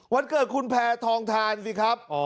วันเกิดคุณแพทองทานสิครับ